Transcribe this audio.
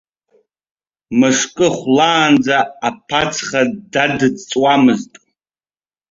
Мышкы хәлаанӡа аԥацха дадҵуамызт.